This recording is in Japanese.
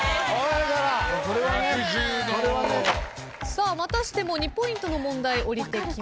さあまたしても２ポイントの問題おりてきました。